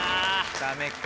ダメか。